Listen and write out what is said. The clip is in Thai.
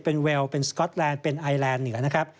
เป็นเวลเป็นสก๊อตแลนด์เป็นไอแลนด์เหนือนะครับ